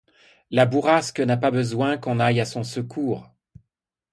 La bourrasque n’a pas besoin qu’on aille à son secours.